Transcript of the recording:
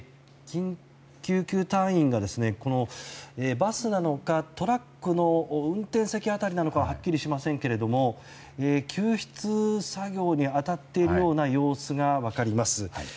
救急隊員がバスなのかトラックの運転席辺りなのかはっきりしませんが救出作業に当たっているような様子が分かります。